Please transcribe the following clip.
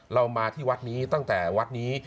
เรามาที่วัดนี้ตั้งแต่วัดนี้